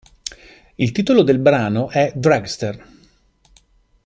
Il titolo del brano è Dragster.